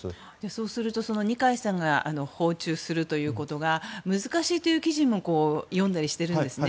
そうすると二階さんが訪中するということが難しいという記事も読んだりしているんですね。